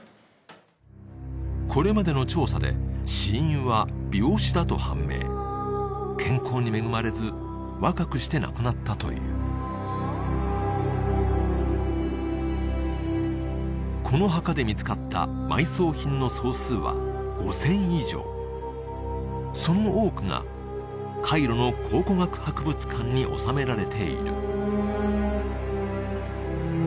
これまでの調査で死因は病死だと判明健康に恵まれず若くして亡くなったというこの墓で見つかった埋葬品の総数は５０００以上その多くがに収められている